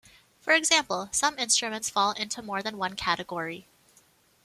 For example, some instruments fall into more than one category.